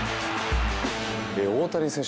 大谷選手